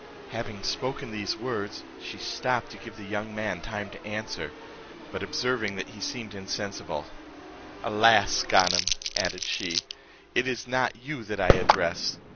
Having spoken these words, she stopped to give the young man time to answer, but observing that he seemed insensible; "Alas! Ganem," added she, "it is not you that I address!